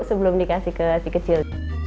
sebelum dikasih ke si kecil